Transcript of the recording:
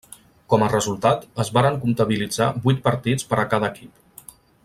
Com a resultat, es varen comptabilitzar vuit partits per a cada equip.